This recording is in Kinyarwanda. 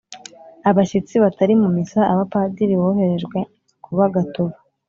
abashyitsi batari mu misa abapadiri boherejwe kuba gatovu